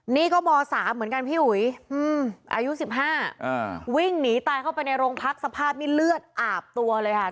นี่ก็ม๓เหมือนกันพี่อุ๋ยอายุ๑๕วิ่งหนีตายเข้าไปในโรงพักสภาพนี้เลือดอาบตัวเลยค่ะ